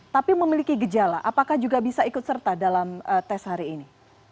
tapi memiliki gejala apakah juga bisa ikut serta dalam tes hari ini